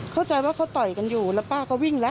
เข้าใจว่าเขาต่อยกันอยู่แล้วป้าก็วิ่งแล้ว